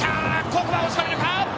ここ、押し込めるか。